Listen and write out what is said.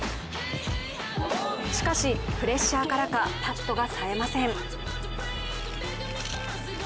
しかし、プレッシャーからはパットがさえません。